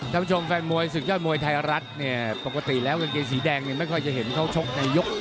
สุดยอดมวยสุดยอดมวยไทยรัฐเนี่ยปกติแล้วเงินเกณฑ์สีแดงไม่ค่อยจะเห็นเขาชกในยก